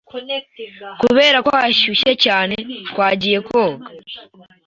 Kubera ko hashyushye cyane, twagiye koga.